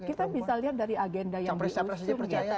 kita bisa lihat dari agenda yang berlangsung